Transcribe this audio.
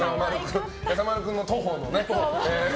やさまる君の徒歩のね。